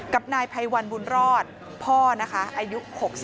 กับนายภัยวร์ดพ่ออายุ๖๑